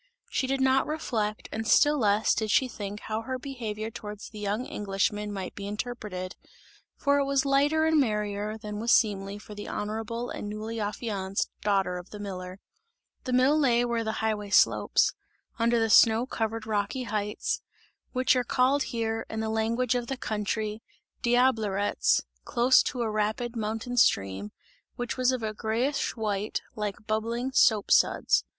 She did not reflect and still less did she think how her behaviour towards the young Englishman might be interpreted; for it was lighter and merrier than was seemly for the honourable and newly affianced daughter of the miller. The mill lay where the highway slopes under the snow covered rocky heights which are called here, in the language of the country "Diablerets" close to a rapid mountain stream, which was of a greyish white, like bubbling soap suds.